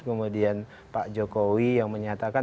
kemudian pak jokowi yang menyatakan